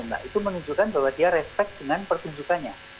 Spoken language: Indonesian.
nah itu menunjukkan bahwa dia respect dengan pertunjukannya